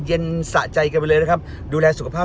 เจมส์ก็อยากจะให้ทุกคนนะครับได้มีความสุขมากนะครับ